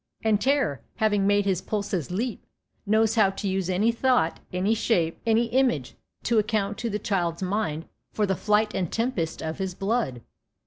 And terror, having made his pulses leap, knows how to use any thought, any shape, any image, to account to the child's mind for the flight and tempest of his blood.